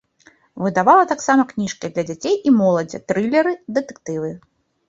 Выдавала таксама кніжкі для дзяцей і моладзі, трылеры, дэтэктывы.